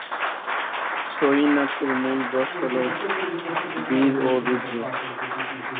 ছৌ নাচের মূল রস হল বীর ও রুদ্র।